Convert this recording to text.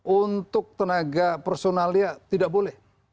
untuk tenaga personalia tidak boleh